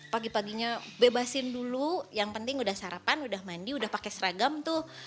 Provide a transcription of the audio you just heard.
pagi paginya bebasin dulu yang penting udah sarapan udah mandi udah pakai seragam tuh